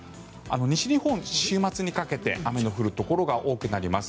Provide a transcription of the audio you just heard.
西日本、週末にかけて雨の降るところが多くなります。